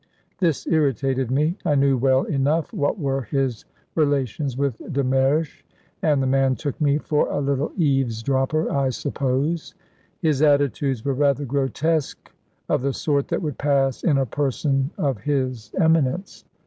This irritated me; I knew well enough what were his relations with de Mersch, and the man took me for a little eavesdropper, I suppose. His attitudes were rather grotesque, of the sort that would pass in a person of his eminence.